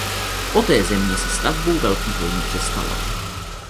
Poté země se stavbou velkých lodí přestala.